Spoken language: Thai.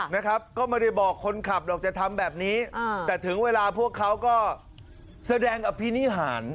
นะครับก็ไม่ได้บอกคนขับหรอกจะทำแบบนี้แต่ถึงเวลาพวกเขาก็แสดงอภินิหาร